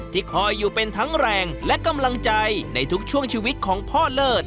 คอยอยู่เป็นทั้งแรงและกำลังใจในทุกช่วงชีวิตของพ่อเลิศ